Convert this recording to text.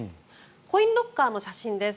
コインロッカーの写真です。